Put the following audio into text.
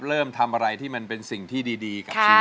เริ่มทำอะไรที่มันเป็นสิ่งที่ดีกับชีวิต